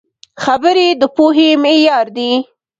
خبرې د پوهې معیار دي